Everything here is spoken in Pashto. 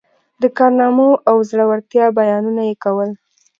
د کارنامو او زړه ورتیا بیانونه یې کول.